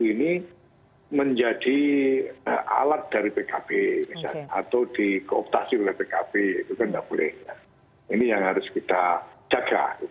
ini menjadi alat dari pkb atau dikooptasi oleh pkb itu kan tidak boleh ini yang harus kita jaga